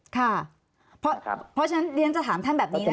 ค่ะเพราะฉะนั้นเรียนจะถามท่านแบบนี้นะคะ